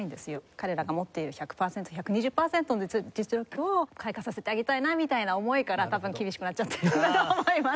彼らが持っている１００パーセント１２０パーセントの実力を開花させてあげたいなみたいな思いから多分厳しくなっちゃってるんだと思います。